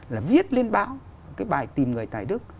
là viết lên báo cái bài tìm người tài đức